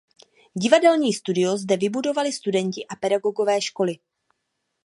Divadelní studio zde vybudovali studenti a pedagogové školy.